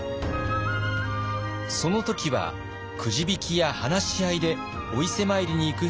その時はくじ引きや話し合いでお伊勢参りに行く人を決定。